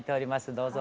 どうぞ。